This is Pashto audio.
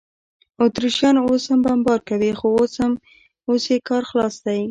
اتریشیان اوس هم بمبار کوي، خو اوس یې کار خلاص دی.